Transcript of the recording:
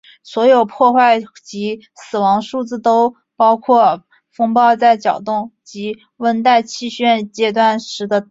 所有破坏及死亡数字都包括风暴在扰动及温带气旋阶段时的资料。